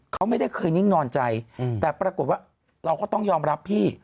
เขาไม่ได้เคยนิ่งนอนใจแต่ปรากฏว่าเราก็ต้องยอมรับพี่